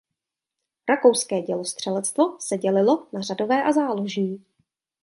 Rakouské dělostřelectvo se dělilo na řadové a záložní.